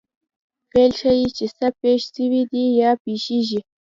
فعل ښيي، چي څه پېښ سوي دي یا پېښېږي.